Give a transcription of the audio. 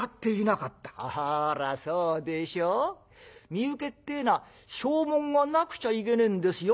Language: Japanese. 身請けってえのは証文がなくちゃいけねえんですよ。